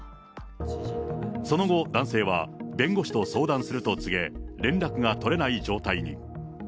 その後、男性は弁護士と相談すると告げ、連絡が取れない状態に。